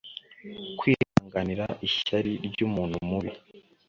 kwihanganira ishyari ryumuntu mubi